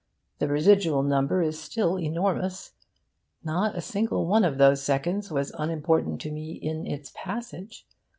The residual number is still enormous. Not a single one of those seconds was unimportant to me in its passage.